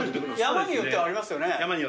山によってはあります。